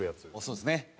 そうですね。